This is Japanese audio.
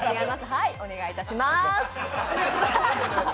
はい、お願いいたしまーす。